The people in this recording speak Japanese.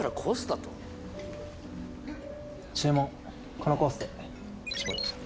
このコースでかしこまりました